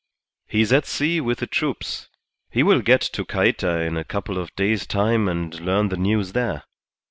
He's at sea with the troops. He will get to Cayta in a couple of days' time and learn the news there.